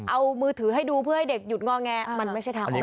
เอามือถือให้ดูเพื่อให้เด็กหยุดงอแงมันไม่ใช่ทางออก